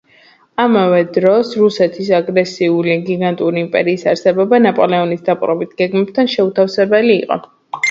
ამავე დროს რუსეთის აგრესიული გიგანტური იმპერიის არსებობა ნაპოლეონის დაპყრობით გეგმებთან შეუთავსებელი იყო.